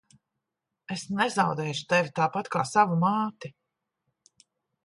Es nezaudēšu tevi tāpat kā savu māti.